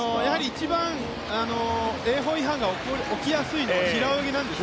一番泳法違反が起きやすいのは平泳ぎなんです。